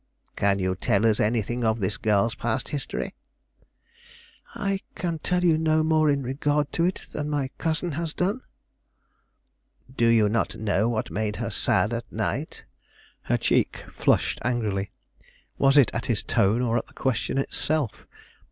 "Can you tell us anything of this girl's past history?" "I can tell you no more in regard to it than my cousin has done." "Do you not know what made her sad at night?" Her cheek flushed angrily; was it at his tone, or at the question itself?